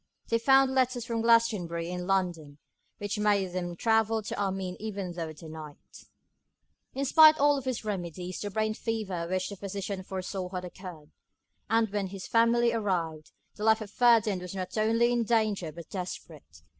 They found letters from Glastonbury in London, which made them travel to Armine even through the night. In spite of all his remedies, the brain fever which the physician foresaw had occurred; and when his family arrived, the life of Ferdinand was not only in danger but desperate.